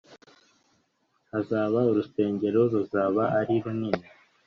hazaba urusengero ruzaba ari runini